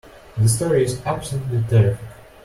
This story is absolutely terrific!